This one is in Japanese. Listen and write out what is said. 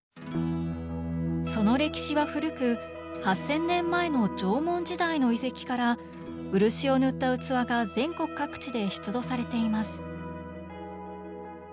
その歴史は古く８，０００年前の縄文時代の遺跡から漆を塗った器が全国各地で出土されています。